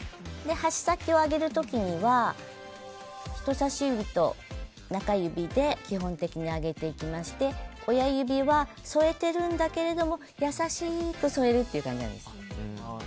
箸先を上げる時には人さし指と中指で基本的に上げていきまして親指は添えてるんだけど優しく添えるという感じです。